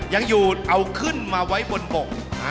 ยังอยู่เอาขึ้นมาไว้บนบก